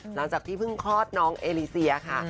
หลังจากที่เพิ่งคลอดน้องเอลิเซียค่ะ